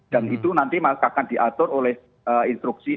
dan itu nanti akan diatur oleh instruksi